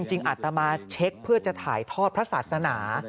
อาตมาเช็คเพื่อจะถ่ายทอดพระศาสนา